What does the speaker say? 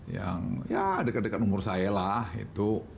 yang ya dekat dekat umur saya lah itu